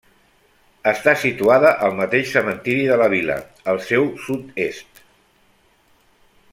Està situada al mateix cementiri de la vila, al seu sud-est.